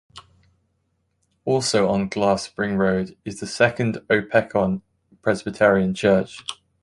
Also on Glass Spring Road is the Second Opequon Presbyterian Church.